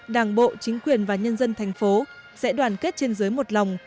đảng bộ chính quyền và nhân dân tp hcm sẽ đoàn kết trên giới một lòng